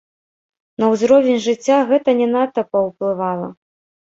На ўзровень жыцця гэта не надта паўплывала.